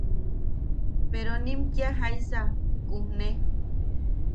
Peronim kia jaisa kujne.